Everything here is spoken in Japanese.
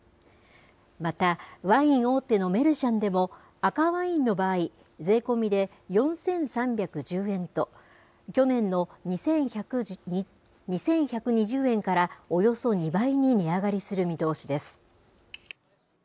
また、ワイン大手のメルシャンでも、赤ワインの場合、税込みで４３１０円と、去年の２１２０円からおよそ２倍に値上がりする見通しです。